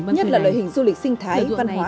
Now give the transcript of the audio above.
nhất là loại hình du lịch sinh thái văn hóa